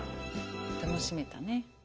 楽しめたね。